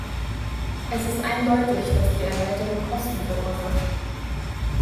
Es ist eindeutig, dass die Erweiterung Kosten verursacht.